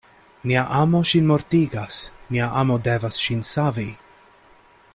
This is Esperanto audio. Nia amo ŝin mortigas: nia amo devas ŝin savi.